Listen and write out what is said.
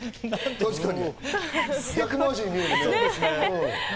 確かに。